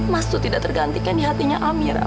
mas itu tidak tergantikan di hatinya amirah